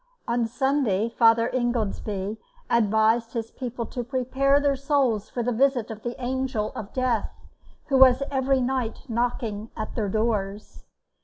On Sunday Father Ingoldsby advised his people to prepare their souls for the visit of the Angel of Death, who was every night knocking at their doors.